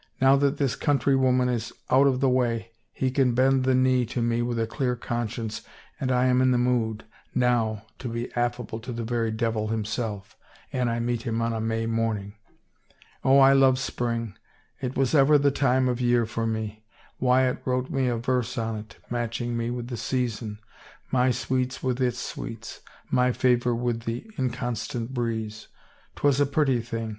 " Now that this countrywoman is out of the way he can bend the knee to me with a clear conscience, and I am in the mood, now, to be affable to the very devil himself^ an I met him on a May morning. Oh, I love spring. It was ever the time of year for me. Wyatt wrote me a verse on't, matching me with the season — my sweets with its sweets, my favor with the inconstant breeze. 'Twas a pretty thing.